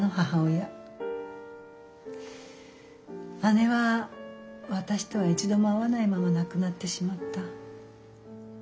姉は私とは一度も会わないまま亡くなってしまった。